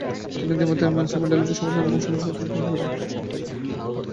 তিনি Dmitri Ivanovich মেন্ডেলিফের সমসাময়িককালে মৌলসমূহের পর্যায় সূত্র প্রদান করেন।